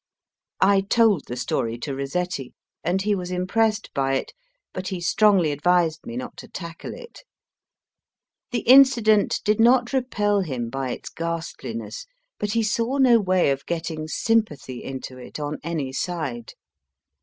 I told the story to Rossetti, and he was impressed by it, but he strongly advised me not to tackle it. The incident did not repel him by its ghastliness, but he saw no way of getting sympathy into it on any side.